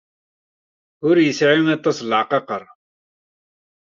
Ur yesɛi aṭas leɛqaqer.